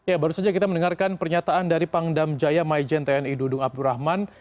ya baru saja kita mendengarkan pernyataan dari pangdam jaya maijen tni dudung abdurrahman